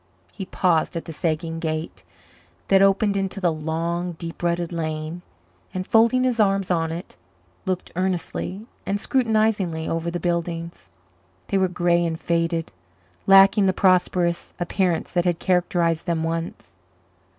He paused at the sagging gate that opened into the long, deep rutted lane and, folding his arms on it, looked earnestly and scrutinizingly over the buildings. They were grey and faded, lacking the prosperous appearance that had characterized them once.